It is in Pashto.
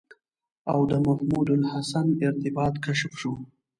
او د محمودالحسن ارتباط کشف شو.